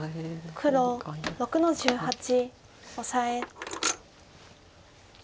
黒６の十八オサエ。